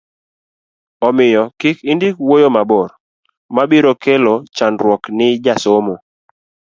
omiyo kik indik wuoyo mabor mabiro kelo chandruok ni jasomo